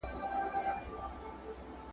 بلبل نه وو یوه نوې تماشه وه ..